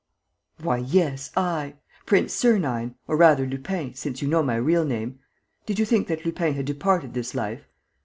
"Why, yes, I! Prince Sernine, or rather Lupin, since you know my real name! Did you think that Lupin had departed this life?